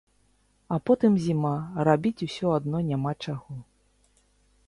А потым зіма, рабіць усё адно няма чаго.